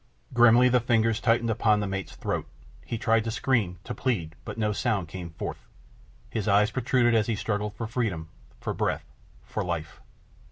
Grimly the fingers tightened upon the mate's throat. He tried to scream, to plead, but no sound came forth. His eyes protruded as he struggled for freedom, for breath, for life.